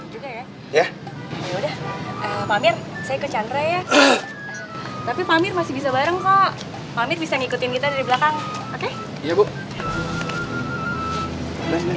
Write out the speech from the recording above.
pak amir saya ke channelnya ya